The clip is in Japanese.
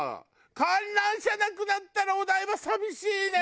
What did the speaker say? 観覧車なくなったらお台場寂しいね。